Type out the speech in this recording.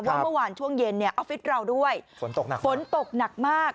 ว่าเมื่อวานช่วงเย็นออฟฟิศเราด้วยฝนตกหนักมาก